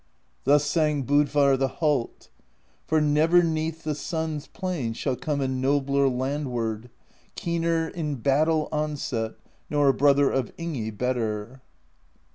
Thus sang Bodvarr the Halt: For never 'neath the Sun's Plain Shall come a nobler Land Ward, Keener in battle onset. Nor a brother of Ingi better.